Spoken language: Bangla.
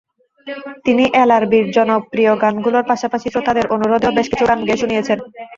তিনি এলআরবির জনপ্রিয় গানগুলোর পাশাপাশি শ্রোতাদের অনুরোধেও বেশ কিছু গান গেয়ে শুনিয়েছেন।